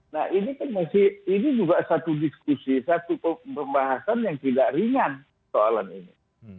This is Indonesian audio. nah ini kan masih ini juga satu diskusi satu pembahasan yang tidak ringan soalan ini